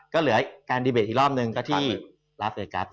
ก็เหลือการดีเบตอีกรอบหนึ่งก็ที่ลาสเตกัส